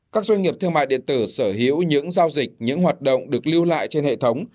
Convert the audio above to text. các doanh nghiệp thương mại điện tử sở hữu những giao dịch những hoạt động được lưu lại trên hệ thống